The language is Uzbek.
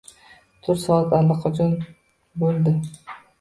- Tur, soat allaqachon bo'ldi...